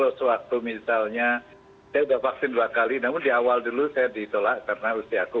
sebetulnya suatu misalnya saya sudah vaksin dua kali namun di awal dulu saya ditolak karena usia aku